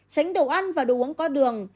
tránh đồ ăn và đồ uống có đường